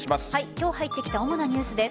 今日入ってきた主なニュースです。